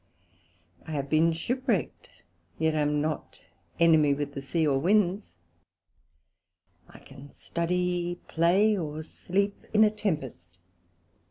I have been shipwrackt, yet am not enemy with the Sea or Winds; I can study, play, or sleep in a Tempest.